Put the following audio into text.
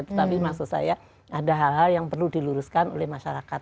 tetapi maksud saya ada hal hal yang perlu diluruskan oleh masyarakat